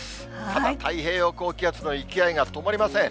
ただ、太平洋高気圧の勢いが止まりません。